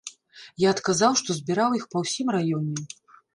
Я адказаў, што збіраў іх па ўсім раёне.